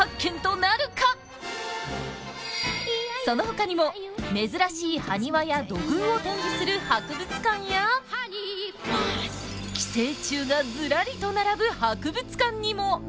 そのほかにも珍しいはにわや土偶を展示する博物館や寄生虫がズラリと並ぶ博物館にも。